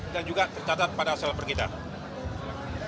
dan juga tercatat pada sel pergidaan